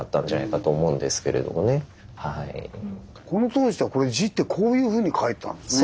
この当時って「じ」ってこういうふうに書いたんですね。